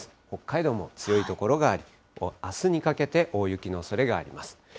北海道も強い所があり、あすにかけて大雪のおそれがあります。